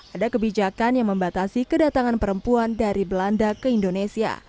ada kebijakan yang membatasi kedatangan perempuan dari belanda ke indonesia